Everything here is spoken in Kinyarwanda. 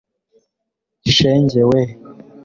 shenge we